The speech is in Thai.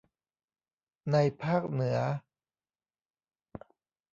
ในภาคเหนือ